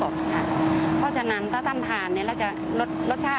จริงเราให้เบอร์โทรไปแล้วคุณชนา